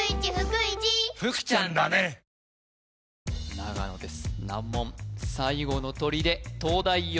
長野です